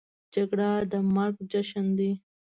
جګړه د مرګ جشن دی